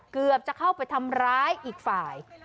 เกือบจะเข้าไปทำร้ายอีกฝ่าย